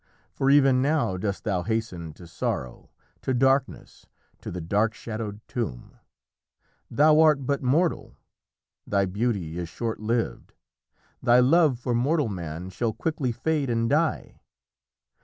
For even now dost thou hasten to sorrow, to darkness, to the dark shadowed tomb. Thou art but mortal! thy beauty is short lived. Thy love for mortal man shall quickly fade and die.